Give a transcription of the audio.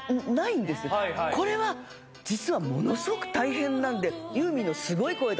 これは実はものすごく大変なんで。